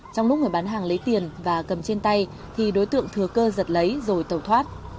trong lúc người bán hàng lấy tiền và cầm trên tay thì đối tượng thừa cơ giật lấy rồi tẩu thoát